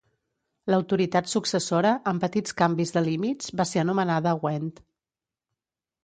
L'autoritat successora, amb petits canvis de límits, va ser anomenada Gwent.